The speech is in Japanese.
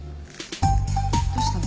どうしたの？